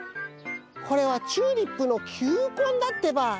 これはチューリップのきゅうこんだってば。